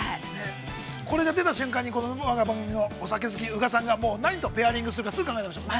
これが出た瞬間に我が番組のお酒好き宇賀さんが何とペアリングするか考えていましたね。